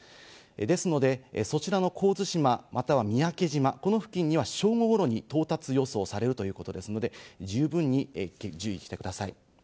ですので、そちらの神津島、または三宅島、この付近には正午ごろに到達予想されるということですので、十分に注意してください。